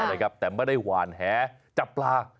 มันไม่ได้หวานแหจับปลา